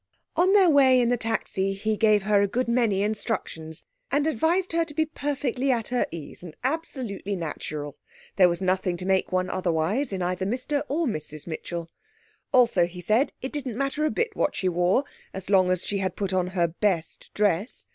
On their way in the taxi he gave her a good many instructions and advised her to be perfectly at her ease and absolutely natural; there was nothing to make one otherwise, in either Mr or Mrs Mitchell. Also, he said, it didn't matter a bit what she wore, as long as she had put on her best dress.